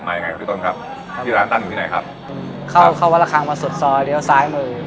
มาอย่างไรครับพี่ต้นครับที่ร้านตั้งอยู่ที่ไหนครับครับเข้าเข้าวาระคังมาสุดซอยเดียวซ้ายมือ